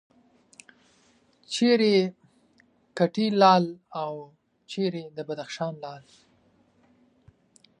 چیرې کټې لال او چیرې د بدخشان لعل.